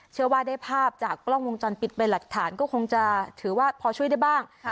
เชื่อว่าได้ภาพจากกล้องวงจรปิดเป็นหลักฐานก็คงจะถือว่าพอช่วยได้บ้าง